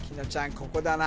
ここだな